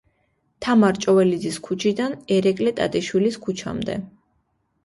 თამარ ჭოველიძის ქუჩიდან ერეკლე ტატიშვილის ქუჩამდე.